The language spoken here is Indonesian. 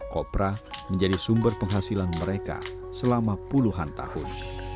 kopra menjadi sumber penghasilan mereka selama puluhan tahun